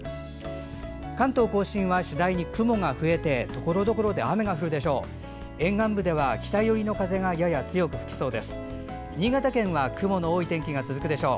関東・甲信は次第に雲が増えてところどころで雨が降るでしょう。